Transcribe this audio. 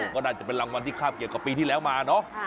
ก็น่าจะเป็นรางวัลที่คราบเกียรติกว่าปีที่แล้วมา